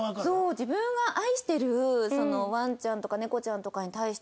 自分が愛してるワンちゃんとかネコちゃんとかに対して。